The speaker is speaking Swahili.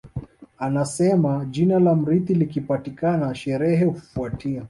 Anasema jina la mrithi likipatikana sherehe hufuatia